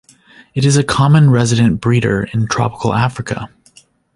It is a common resident breeder in tropical Africa.